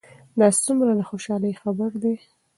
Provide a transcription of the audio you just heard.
دا څومره د خوشحالۍ خبر ده؟